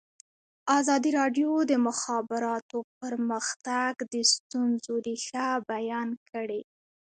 ازادي راډیو د د مخابراتو پرمختګ د ستونزو رېښه بیان کړې.